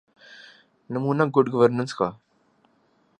نمونہ good governance کا۔